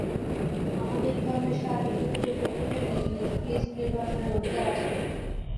আমাদের ধর্মের সার এইটুকু যে, প্রত্যকের নিজ নিজ ইষ্ট-নির্বাচনের অধিকার আছে।